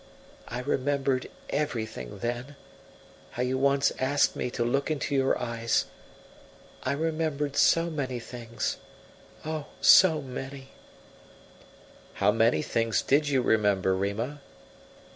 I remembered everything then, how you once asked me to look into your eyes. I remembered so many things oh, so many!" "How many things did you remember, Rima?"